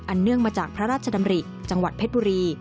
เนื่องมาจากพระราชดำริจังหวัดเพชรบุรี